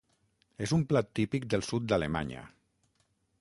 És un plat típic del sud d’Alemanya.